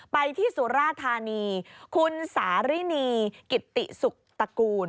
ไปที่สุราธานีคุณสารินีกิตติสุขตระกูล